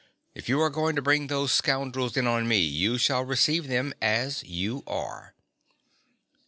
If you are going to bring those scoundrels in on me you shall receive them as you are.